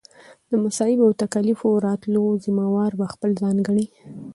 د مصائبو او تکاليفو راتللو ذمه وار به خپل ځان ګڼي